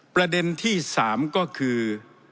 ประเด็นที่๓ก็คือ